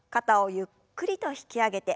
ゆっくりと引き上げて。